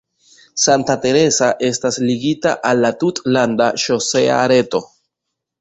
Santa Teresa estas ligita al la tutlanda ŝosea reto.